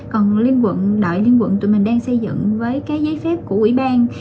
còn liên quận đội liên quận tụi mình đang xây dựng với cái giấy phép của ủy ban